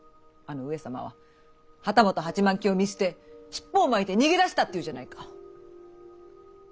あの上様は旗本八万騎を見捨て尻尾を巻いて逃げ出したっていうじゃないか。